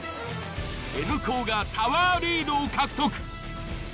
Ｎ高がタワーリードを獲得。